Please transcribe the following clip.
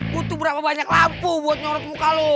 butuh berapa banyak lampu buat nyorot muka lo